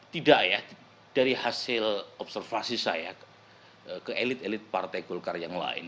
tidak ya dari hasil observasi saya ke elit elit partai golkar yang lain